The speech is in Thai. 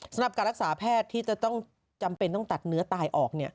สำหรับการรักษาแพทย์ที่จะต้องจำเป็นต้องตัดเนื้อตายออก